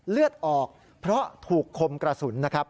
เลือดออกเพราะถูกคมกระสุนนะครับ